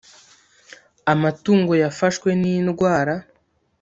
amatungo yafashwe n;indwara